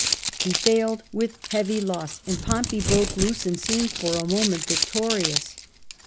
He failed with heavy loss, and Pompey broke loose, and seemed for a moment victorious.